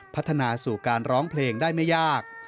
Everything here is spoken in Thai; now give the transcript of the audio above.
พัฒนาสู่การร้องเพลงได้ไม่ยาก